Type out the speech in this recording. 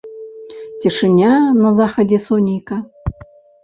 Цішыня на захадзе сонейка.